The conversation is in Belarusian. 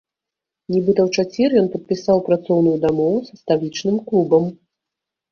Нібыта, у чацвер ён падпісаў працоўную дамову са сталічным клубам.